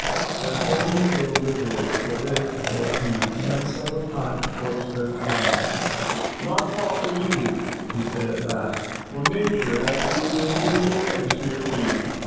The Thorny tailed Lizard for this was he blinked several times before he spoke again. "Not far for you," he said at last, "for Nature has given you invisible wings to your feet.